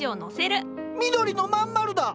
緑のまん丸だ！